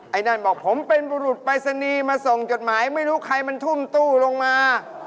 ไอ้นั่นบอกผมเป็นบุรุษปรายศนีย์มาส่งจดหมายไม่รู้ใครมันทุ่มตู้ลงมา